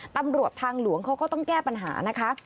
ตำรวจทางหลวงเขาก็ต้องแก้ปัญหานะคะ